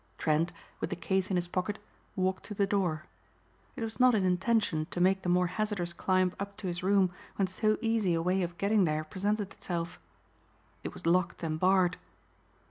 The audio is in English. Trent, with the case in his pocket, walked to the door. It was not his intention to make the more hazardous climb up to his room when so easy a way of getting there presented itself. It was locked and barred.